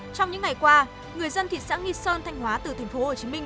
trong những ngày qua người dân thị xã nghị sơn thanh hóa từ thành phố hồ chí minh